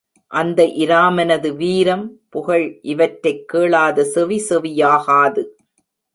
அந்த இராமனது வீரம், புகழ் இவற்றைக் கேளாத செவி செவியாகாது.